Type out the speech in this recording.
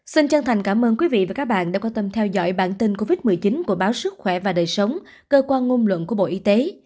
xin chân thành cảm ơn quý vị và các bạn đã quan tâm theo dõi bản tin covid một mươi chín của báo sức khỏe và đời sống cơ quan ngôn luận của bộ y tế